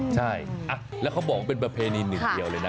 ใช่แล้วเขาบอกว่าเป็นประเพณีหนึ่งเดียวเลยนะ